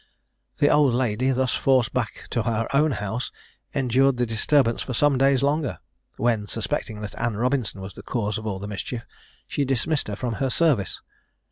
The old lady, thus forced back to her own house, endured the disturbance for some days longer, when suspecting that Anne Robinson was the cause of all the mischief, she dismissed her from her service.